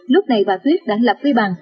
lúc này bà tuyết đã lập phi bằng